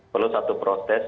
perlu satu proses